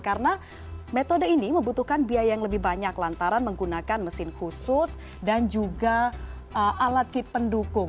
karena metode ini membutuhkan biaya yang lebih banyak lantaran menggunakan mesin khusus dan juga alat kit pendukung